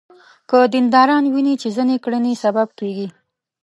که دینداران ویني چې ځینې کړنې سبب کېږي.